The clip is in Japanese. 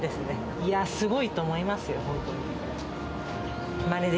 いや、すごいと思いますよ、本当に。